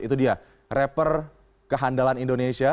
itu dia rapper kehandalan indonesia